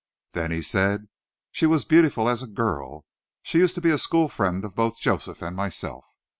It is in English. Then he said, "She was beautiful as a girl. She used to be a school friend of both Joseph and myself."